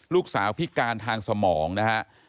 ลูกสาวพิการทางสมองนะฮะ